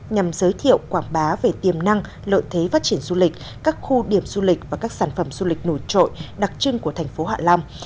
nhằm giới thiệu quảng bá về tiềm năng lợi thế phát triển du lịch các khu điểm du lịch và các sản phẩm du lịch nổi trội đặc trưng của thành phố hạ long